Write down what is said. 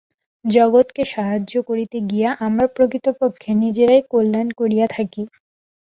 জগৎকে সাহায্য করিতে গিয়া আমরা প্রকৃতপক্ষে নিজেদেরই কল্যাণ করিয়া থাকি।